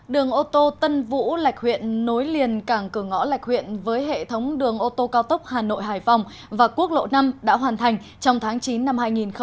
đường ô tô tân vũ lạch huyện nối liền cảng cửa ngõ lạch huyện với hệ thống đường ô tô cao tốc hà nội hải phòng và quốc lộ năm đã hoàn thành trong tháng chín năm hai nghìn một mươi chín